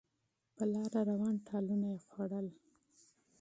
په لاره روان ټالونه یې خوړل